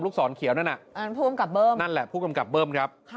ลูกศรเขียวนั่นน่ะผู้กำกับเบิ้ม